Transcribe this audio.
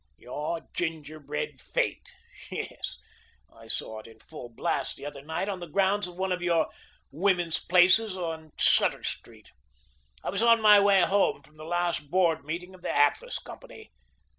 Your ginger bread fete; yes, I saw it in full blast the other night on the grounds of one of your women's places on Sutter Street. I was on my way home from the last board meeting of the Atlas Company.